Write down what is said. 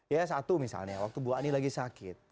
ya satu misalnya waktu bu ani lagi sakit